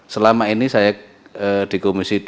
selama ini saya di komisi dua